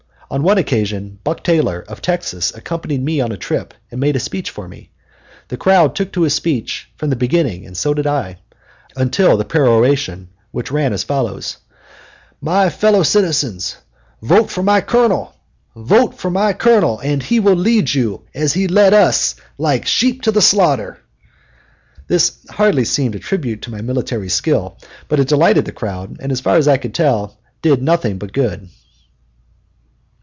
On one occasion Buck Taylor, of Texas, accompanied me on a trip and made a speech for me. The crowd took to his speech from the beginning and so did I, until the peroration, which ran as follows: "My fellow citizens, vote for my Colonel! vote for my Colonel! and he will lead you, as he led us, like sheep to the slaughter!" This hardly seemed a tribute to my military skill; but it delighted the crowd, and as far as I could tell did me nothing but good.